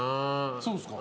そうですか。